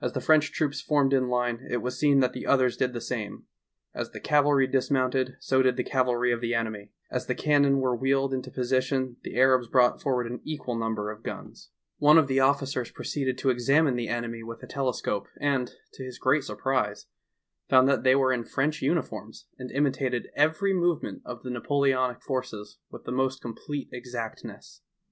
As the French troops formed in line it was seen that the others did the same ; as the cavalry dis mounted so did the cavalry of the enemy ; as the cannon were wheeled into position the Arabs brought forward an equal number of guns. One 17^ THE TALKING HANDKERCHIEF. of the officers proceeded to examine the enemy with a telescope, and to his great surprise found that they were in French uniforms and imitated every movement of the Napoleonic forces with the most complete exactness.